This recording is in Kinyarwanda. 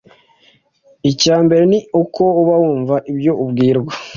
icya mbere ni uko uba wumva ibyo ubwirwa